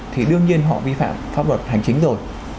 thì đương nhiên họ vi phạm pháp luật hành chính rồi